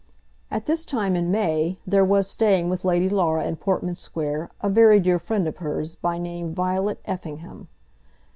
At this time, in May, there was staying with Lady Laura in Portman Square a very dear friend of hers, by name Violet Effingham.